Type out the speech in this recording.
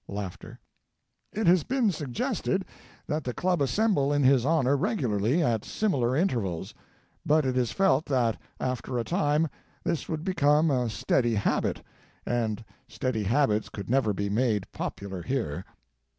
"It has been suggested that the club assemble in his honor regularly at similar intervals; but it is felt that, after a time, this would become a steady habit, and steady habits could never be made popular here.